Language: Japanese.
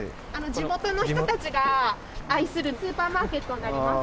地元の人たちが愛するスーパーマーケットになります。